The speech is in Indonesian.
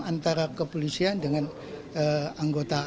antara kepolisian dengan anggota